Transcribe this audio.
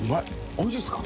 おいしいですか？